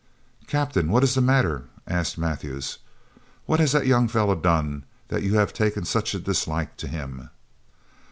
"Captain, what is the matter?" asked Mathews. "What has that young fellow done that you have taken such a dislike to him?"